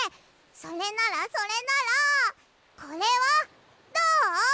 それならそれならこれはどう？